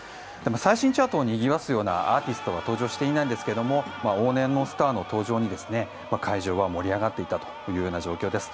最新チャートをにぎわすようなアーティストは登場していませんが往年のスターの登場に会場は盛り上がっていたというような状況です。